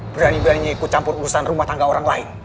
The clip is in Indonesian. berani berani ikut campur urusan rumah tangga orang lain